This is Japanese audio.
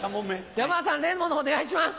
山田さん例のものをお願いします。